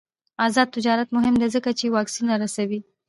آزاد تجارت مهم دی ځکه چې واکسینونه رسوي.